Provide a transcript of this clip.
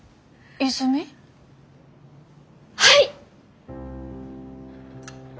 はい！